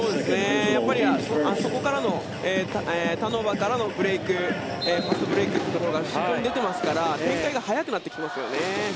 やっぱりあそこからのターンオーバーからのファストブレークというところが出ていますから展開が早くなっていきますよね。